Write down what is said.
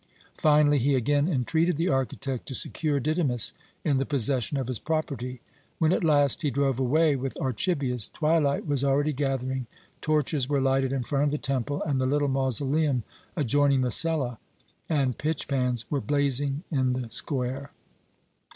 Finally, he again entreated the architect to secure Didymus in the possession of his property. When at last he drove away with Archibius, twilight was already gathering, torches were lighted in front of the temple and the little mausoleum adjoining the cella, and pitch pans were blazing in the square.